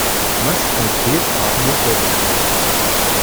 Was konkret haben wir vorgeschlagen?